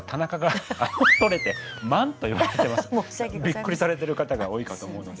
びっくりされてる方が多いかと思うので。